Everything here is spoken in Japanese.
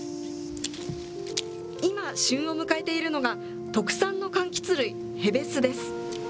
今、旬を迎えているのが特産のかんきつ類「へべす」です。